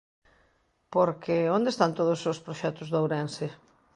Porque ¿onde están todos os proxectos de Ourense?